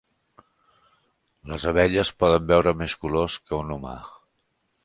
Les abelles poden veure més colors que un humà.